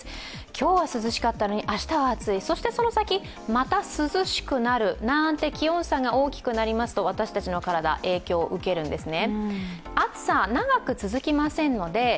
今日は涼しかったのに明日は暑い、そしてその先また涼しくなる、なんて気温差が大きくなりますと、私たちの体、影響を受けるんですね。